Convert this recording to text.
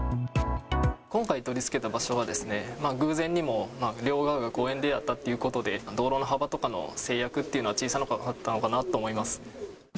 今回取り付けた場所は、偶然にも両側が公園であったということで、道路の幅とかの制約というのが小さかったのかなって思います。